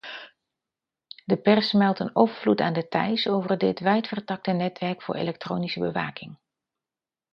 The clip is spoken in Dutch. De pers meldt een overvloed aan details over dit wijdvertakte netwerk voor elektronische bewaking.